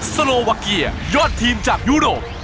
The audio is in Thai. โลวาเกียยอดทีมจากยุโรป